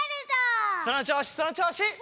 そのちょうしそのちょうし！